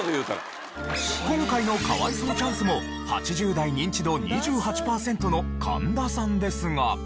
今回の可哀想チャンスも８０代ニンチド２８パーセントの神田さんですが。